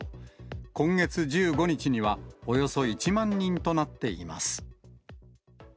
今月１５日には、およそ１万人となっています。